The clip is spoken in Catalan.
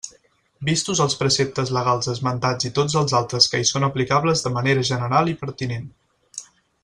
Vistos els preceptes legals esmentats i tots els altres que hi són aplicables de manera general i pertinent.